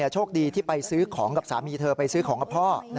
โชคดีที่ไปซื้อของกับสามีเธอไปซื้อของกับพ่อ